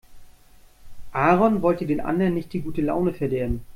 Aaron wollte den anderen nicht die gute Laune verderben.